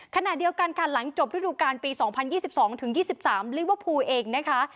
ขณะเดียวกันการหลังจบฤดูการปีสองพันยี่สิบสองถึงยี่สิบสามเรียกว่าพูเองนะคะ